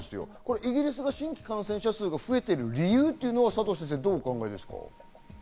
イギリスの新規感染者数が増えている理由はどうお考えですか？